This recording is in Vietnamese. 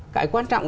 cái quan trọng là